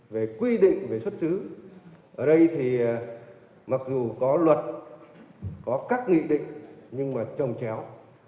về quy định về xuất xứ ở đây thì mặc dù có luật có các nghị định nhưng mà trồng chéo